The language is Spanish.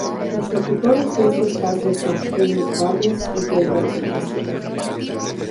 Los locutores de este espacio son Jimmy Gómez y Beyer Díaz.